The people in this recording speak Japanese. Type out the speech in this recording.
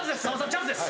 チャンスです